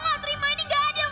aku gak terima ini gak adil